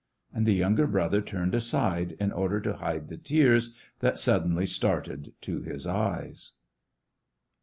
And the younger brother turned aside, in order to hide the tears that suddenly started to his eyies.